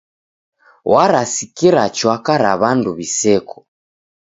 Warasikira chwaka ra w'andu w'iseko.